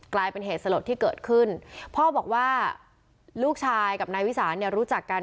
กลายเป็นเหตุสลดที่เกิดขึ้นพ่อบอกว่าลูกชายกับนายวิสานเนี่ยรู้จักกัน